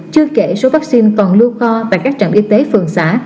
chưa kể số vaccine còn lưu kho tại các trạm y tế phường xã